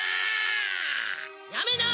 ・やめな！